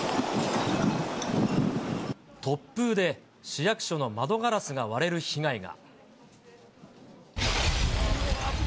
突風で市役所の窓ガラスが割れる被害が。